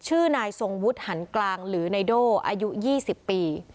ชื่อนายทรงวุฒิหันกลางหรือนายโด่อายุ๒๐ปี